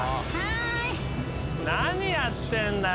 何やってんだよ